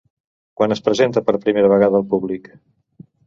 Quan es presenta per primera vegada al públic?